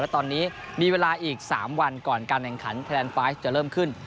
และตอนนี้มีเวลาอีก๓วันก่อนการแข่งขันแพลนไฟล์จะเริ่มขึ้น